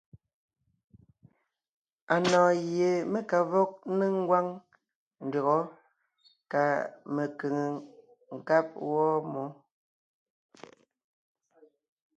Anɔ̀ɔn gie mé ka vɔg ńnéŋ ngwáŋ ndÿɔgɔ́ kà mekʉ̀ŋekab wɔ́ɔ mǒ.